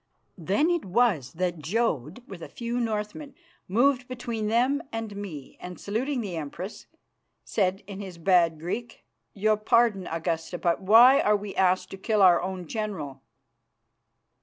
Then it was that Jodd, with a few Northmen, moved between them and me, and, saluting the Empress, said in his bad Greek, "Your pardon, Augusta, but why are we asked to kill our own general?"